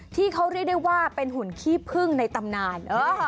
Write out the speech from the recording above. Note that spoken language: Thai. ที่เขาเรียกได้ว่าเป็นหุ่นขี้พึ่งในตำนาน